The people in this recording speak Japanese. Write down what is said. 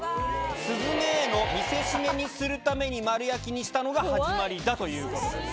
スズメへの見せしめにするために丸焼きにしたのが始まりだということです。